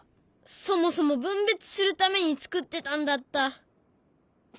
そもそも分別するために作ってたんだった。